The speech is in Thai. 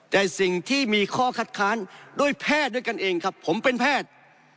แต่สิ่งที่มีข้อคัดค้านด้วยแพทย์ด้วยกันเองครับผมเป็นแพทย์